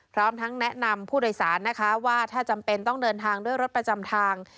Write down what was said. พร้อมทั้งแนะนำผู้โดยสารนะคะว่าถ้าจำเป็นต้องเดินทางด้วยรถประจำทาง